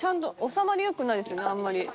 収まりよくないですねあんまり。